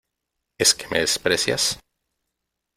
¿ es que me desprecias ?